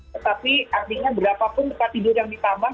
tetapi artinya berapapun tempat tidur yang ditambah